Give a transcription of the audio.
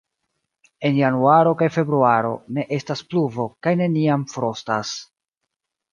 En januaro kaj februaro ne estas pluvo kaj neniam frostas.